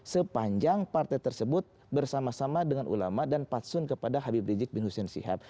sepanjang partai tersebut bersama sama dengan ulama dan patsun kepada habib rizik bin hussein sihab